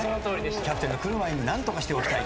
キャプテンが来る前に何とかしておきたい。